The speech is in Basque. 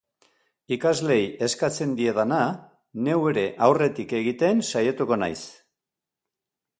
Ikasleei eskatzen diedana, neu ere aurretik egiten saiatuko naiz.